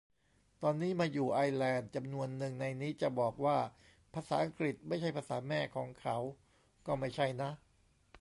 ตอนนี้มาอยู่ไอร์แลนด์ จำนวนนึงในนี้จะบอกว่าภาษาอังกฤษไม่ใช่ "ภาษาแม่" ของเขาก็ไม่ใช่นะ